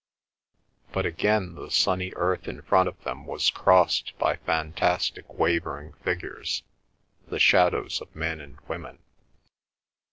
But again the sunny earth in front of them was crossed by fantastic wavering figures, the shadows of men and women.